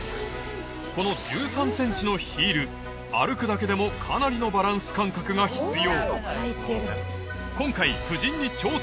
この１３ｃｍのヒール歩くだけでもかなりのバランス感覚が必要